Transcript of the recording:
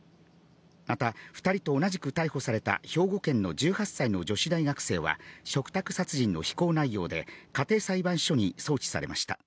また、２人と同じく逮捕された兵庫県の１８歳の女子大学生は、嘱託殺人の非行内容で、家庭裁判所に送致されました。